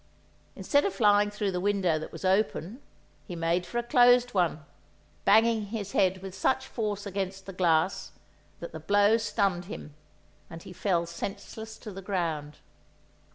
Instead of flying through the window that was open, he made for a closed one, banging his head with such force against the glass that the blow stunned him, and he fell senseless to the ground.